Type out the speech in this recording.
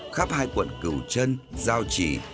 khắp hai quận cửu trân giao trì